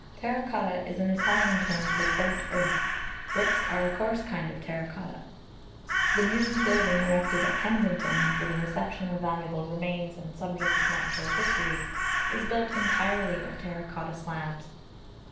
Terra Cotta is an Italian term for "burnt earth." Bricks are a coarse kind of terra cotta. The new building erected at Kensington for the reception of valuable remains and subjects of natural history, is built entirely of terra cotta slabs.